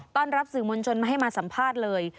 รับสื่อมวลชนมาให้มาสัมภาษณ์เลย